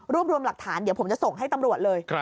รวมรวมหลักฐานเดี๋ยวผมจะส่งให้ตำรวจเลย